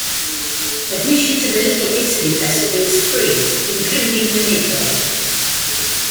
Admission to the Little Italy Festival is free including the Midway.